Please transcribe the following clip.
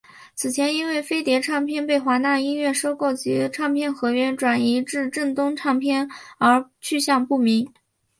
此前因为飞碟唱片被华纳音乐收购及唱片合约转移至正东唱片而去向不明。